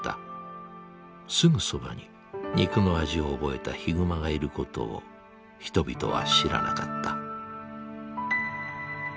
すぐそばに肉の味を覚えたヒグマがいることを人々は知らなかった。